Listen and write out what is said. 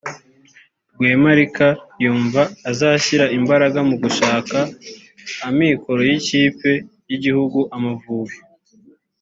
Rwemarika yumva azashyira imbaraga mu gushaka amikoro y'ikipe y'igihugu Amavubi